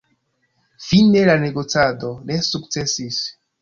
Fine la negocado ne sukcesis.